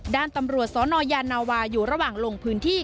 ด้านตำรวจสนยานาวาอยู่ระหว่างลงพื้นที่